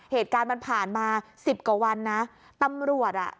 เหตุการณ์มันผ่านมาสิบกว่าวันนะตำรวจอ่ะ